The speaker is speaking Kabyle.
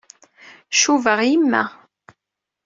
Cubaɣ yemma.